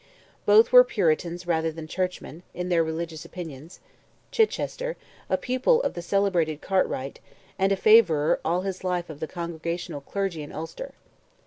Both were Puritans rather than Churchmen, in their religious opinions; Chichester, a pupil of the celebrated Cartwright, and a favourer all his life of the congregational clergy in Ulster.